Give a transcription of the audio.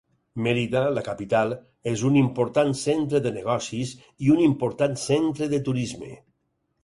Mérida, la capital, és un important centre de negocis, i un important centre de turisme.